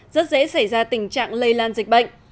rất dễ xảy ra tình trạng lây lan dịch bệnh